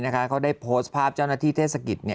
เขาได้โพสต์ภาพเจ้าหน้าที่เทศกิจ